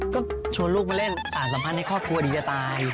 ก็ชวนลูกมาเล่นสารสัมพันธ์ในครอบครัวดีจะตาย